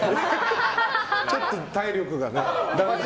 ちょっと体力がね。